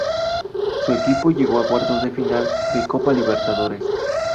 Su equipo llegó a cuartos de final de Copa Libertadores.